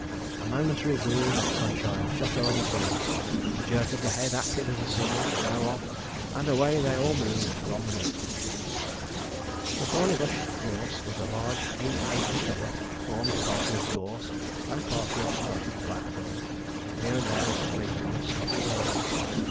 A momentary gleam of sunshine shot o'er the scene; a jerk of the head acted as a signal to throw off, and away they all moved from the meet. Thorneybush Gorse was a large eight acre cover, formed partly of gorse and partly of stunted blackthorn, with here and there a sprinkling of Scotch firs.